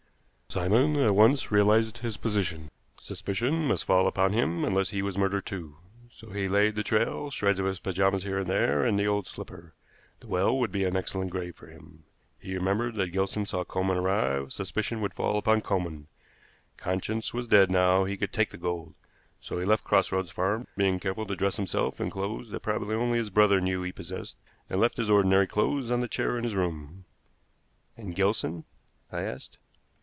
"Simon at once realized his position. Suspicion must fall upon him unless he was murdered too. So he laid the trail, shreds of his pajamas here and there, and the old slipper. The well would be an excellent grave for him. He remembered that Gilson saw Coleman arrive; suspicion would fall upon Coleman. Conscience was dead now, he could take the gold. So he left Cross Roads Farm, being careful to dress himself in clothes that probably only his brother knew he possessed, and left his ordinary clothes on the chair in his room." "And Gilson?" I asked.